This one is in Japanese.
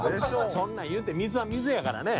そんなん言うて水は水やからね。